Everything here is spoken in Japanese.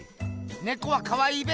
ネコはかわいいべ。